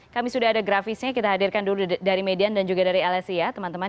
kami sudah ada grafisnya kita hadirkan dulu dari median dan juga dari lsi ya teman teman